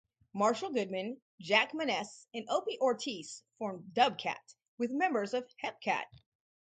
Marshall Goodman, Jack Maness and Opie Ortiz formed Dubcat, with members of Hepcat.